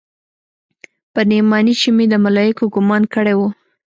پر نعماني چې مې د ملايکو ګومان کړى و.